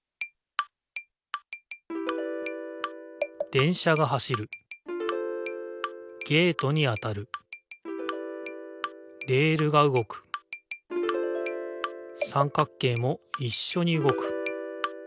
電車が走るゲートに当たるレールがうごく三角形もいっしょにうごく。